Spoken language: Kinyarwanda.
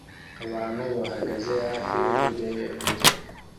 Abantu bahagaze hafi yuburebure